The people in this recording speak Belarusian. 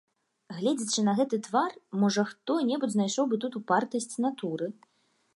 Гледзячы на гэты твар, можа хто-небудзь знайшоў бы тут упартасць натуры.